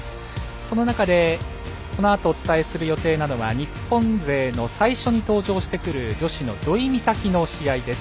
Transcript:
その中でこのあとお伝えする予定なのは日本勢の最初に登場してくる女子の土居美咲の試合です。